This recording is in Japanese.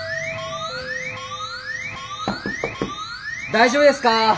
・大丈夫ですか！？